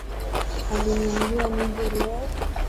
Aliniambia nije leo.